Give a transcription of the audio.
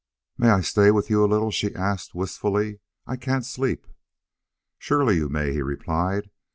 "May I stay with you a little?" she asked, wistfully. "I can't sleep." "Surely you may," he replied.